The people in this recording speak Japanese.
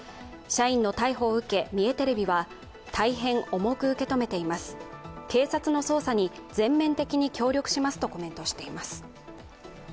社員の逮捕を受け、三重テレビは、大変重く受け止めています、警察の捜査に全面的に協力しますとコメントしています。